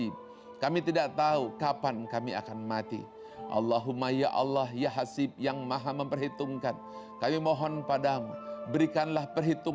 berikanlah perhitungan kami